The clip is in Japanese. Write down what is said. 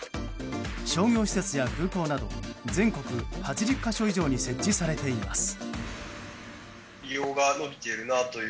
商業施設や空港など全国８０か所以上に設置されています。